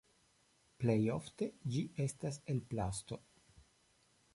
Plejofte ĝi estas el plasto.